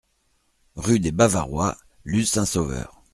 Rue des Bavarois, Luz-Saint-Sauveur